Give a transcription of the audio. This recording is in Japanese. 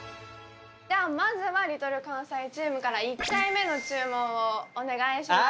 ではまずはＬｉｌかんさいチームから１回目の注文をお願いします